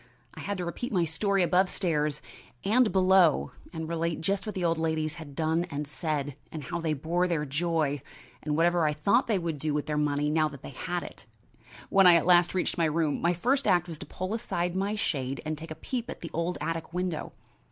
I had to repeat my story above stairs and below, and relate just what the old ladies had done and said, and how they bore their joy, and whatever I thought they would do with their money now they had it. When I at last reached my room, my first act was to pull aside my shade and take a peep at the old attic window.